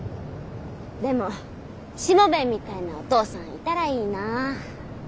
でもしもべえみたいなお父さんいたらいいなぁ。